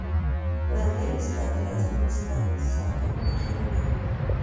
ملګری ستا د رازونو ساتونکی وي.